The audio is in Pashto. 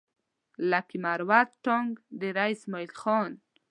لکي مروت ټانک ډېره اسماعيل خان